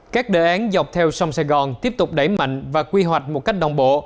các đề án dọc theo sông sài gòn tiếp tục đẩy mạnh và quy hoạch một cách đồng bộ